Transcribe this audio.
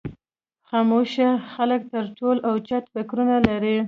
خاموشه خلک تر ټولو اوچت فکرونه لري.